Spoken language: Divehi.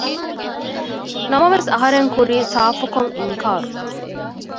ނަމަވެސް އަހަރެން ކުރީ ސާފު ކޮށް އިންކާރު